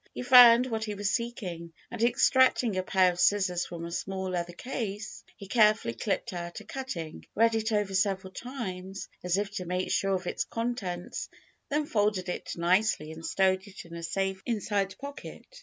He found what he was seeking, and extracting a pair of scissors from a small leather case, he carefully clipped out a cutting, read it over several times as if to make sure of its contents, then folded it nicely and stowed it in a safe inside pocket.